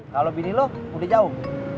kalo bini lu udah jauh